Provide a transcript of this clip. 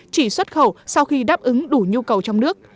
chỉ xuất khẩu sau khi đáp ứng đủ nhu cầu trong nước